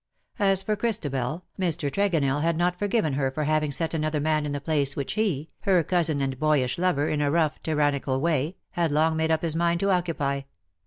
As for Christabel, Mr. Tregonell had not forgiven her for having set another man in the place which he, her cousin and boyish lover in a rough tyrannical way, had long made up his mind to occupy.